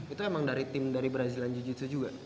itu emang dari tim dari brazilian jiu jitsu juga